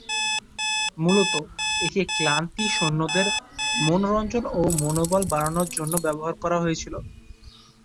মূলত, একে ক্লান্ত সৈন্যদের মনোরঞ্জন ও মনোবল বাড়ানোর জন্য ব্যবহার করা হয়েছিল।